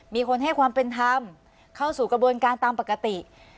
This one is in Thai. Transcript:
มีคนให้ความเป็นธรรมเข้าสู่กระบวนการตามปกติ